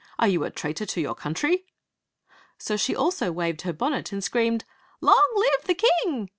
Are you a traitor to your country ?" So she also waved her bonnet and screamed: "Long live the king!